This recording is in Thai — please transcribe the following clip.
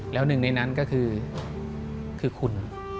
แล้วหนึ่งในนั้นก็คือคุณ